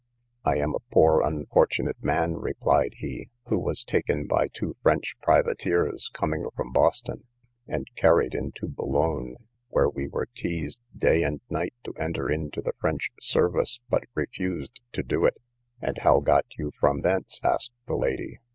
I am a poor unfortunate man, replied he, who was taken by two French privateers coming from Boston, and carried into Boulogne, where we were teased day and night to enter into the French service, but refused to do it. And how got you from thence? asked the lady.